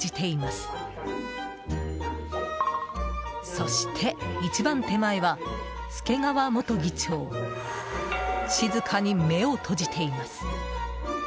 そして、一番手前は助川元議長静かに目を閉じています。